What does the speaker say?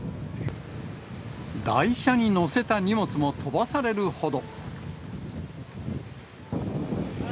台車に載せた荷物も飛ばされるほど。